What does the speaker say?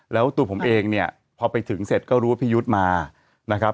แล้วตัวผมเองเนี่ยพอไปถึงเสร็จก็รู้ว่าพี่ยุทธ์มานะครับ